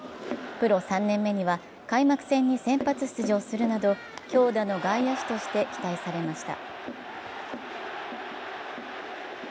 プロ３年目には開幕戦に先発出場するなど、強打の外野手として期待されました。